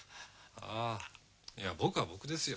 あぁいや僕は僕ですよ。